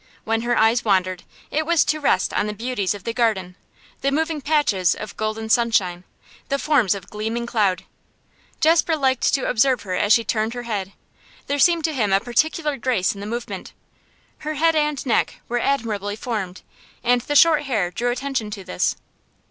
When her eyes wandered, it was to rest on the beauties of the garden, the moving patches of golden sunshine, the forms of gleaming cloud. Jasper liked to observe her as she turned her head: there seemed to him a particular grace in the movement; her head and neck were admirably formed, and the short hair drew attention to this.